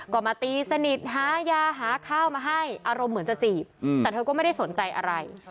ก็มาตีสนิทหายาหาข้าวมาให้อารมณ์เหมือนจะจีบแต่เธอก็ไม่ได้สนใจอะไร